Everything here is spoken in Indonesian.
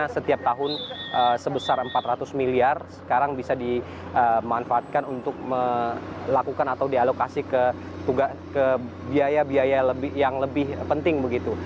setiap tahun sebesar empat ratus miliar sekarang bisa dimanfaatkan untuk melakukan atau dialokasi ke biaya biaya yang lebih penting begitu